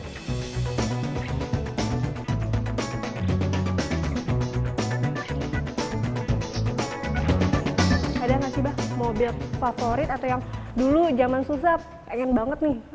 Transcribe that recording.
ada nggak sih mbak mobil favorit atau yang dulu zaman susah pengen banget nih